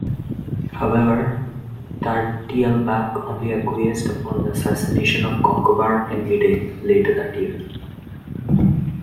However, Tairrdelbach only acquiesced upon the assassination of Conchobar in Mide, later that year.